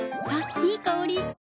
いい香り。